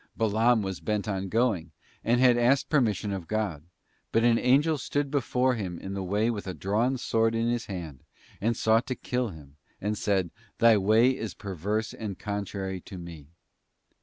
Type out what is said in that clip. Balaam was bent on going, and had asked permission of God; but an Angel stood before him in the way with a drawn sword in his hand, and sought to kill him, and said, ' Thy way is perverse and contrary to Me.